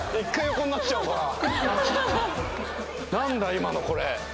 今のこれ。